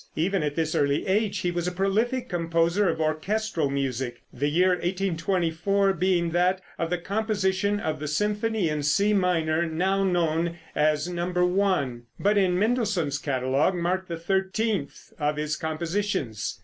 Even at this early age he was a prolific composer of orchestral music, the year 1824 being that of the composition of the symphony in C minor, now known as No. 1, but in Mendelssohn's catalogue marked the thirteenth of his compositions.